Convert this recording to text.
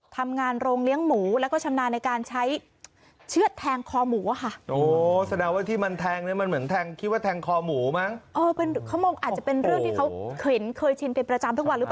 ตอนนี้เมืองต้นตำรวจ